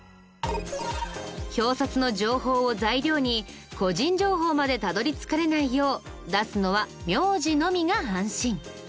表札の情報を材料に個人情報までたどり着かれないよう出すのは名字のみが安心。